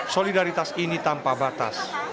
solidaritas ini tanpa batas